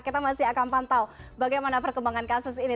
kita masih akan pantau bagaimana perkembangan kasus ini